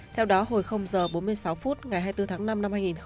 theo đó hồi giờ bốn mươi sáu phút ngày hai mươi bốn tháng năm năm hai nghìn hai mươi